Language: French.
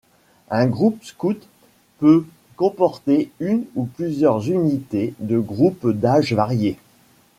Un groupe scout peut comporter une ou plusieurs unités de groupes d'âges variés.